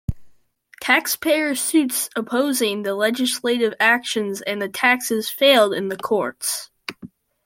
Taxpayer suits opposing the legislative actions and the taxes failed in the courts.